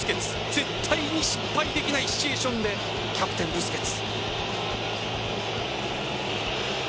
絶対に失敗できないシチュエーションでキャプテン、ブスケツ。